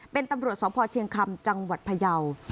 เป็นตำรวจสพเชียงคำจังหวัดพยาว